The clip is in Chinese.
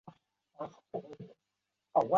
这便是阿拉木图糖果厂的开端。